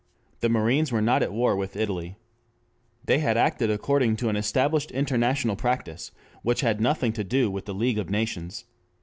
The marines were not at war with Italy. They had acted according to an established international practice which had nothing to do with the League of Nations.